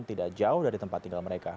tidak jauh dari tempat tinggal mereka